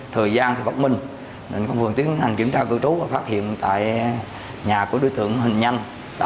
thời gian thì bất minh nên công vườn tiến hành kiểm tra cư trú và phát hiện tại nhà của đối tượng hình nhanh